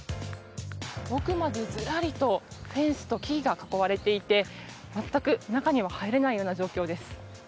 奥までずらりとフェンスと木が囲われていて全く中には入れない様子です。